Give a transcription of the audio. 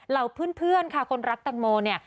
เหล่าเพื่อนค่ะคนรักแตงโมนี่